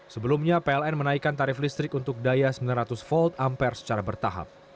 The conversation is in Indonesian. sebelumnya pln menaikkan tarif listrik untuk daya sembilan ratus volt ampere secara bertahap